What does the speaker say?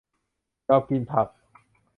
ยอมกินผัก